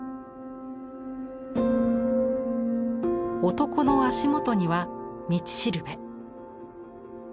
男の足元には道しるべ。